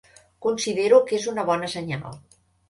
Considero que és una bona senyal.